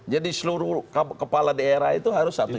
jadi seluruh kepala daerah itu harus satu